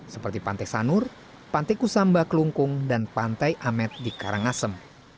seperti pantai sanur pantai kusamba kelungkung dan pantai amet di karangasem